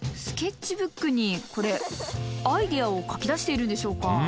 スケッチブックにこれアイデアを書き出しているんでしょうか。